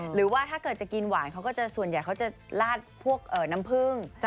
หรือว่าถ้าเกิดจะกินหวานเขาก็จะส่วนใหญ่เขาจะลาดพวกน้ำผึ้ง